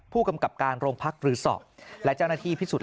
ผู้กำกับการโรงพักหรือสอบและเจ้าหน้าที่พิสูจน